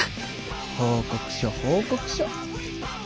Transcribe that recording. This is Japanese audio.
報告書報告書！